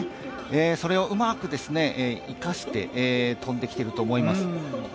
それをうまく生かして飛んできてると思います。